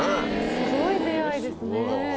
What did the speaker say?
すごい出会いですね。